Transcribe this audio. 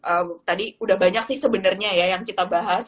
eee tadi udah banyak sih sebenarnya ya yang kita bahas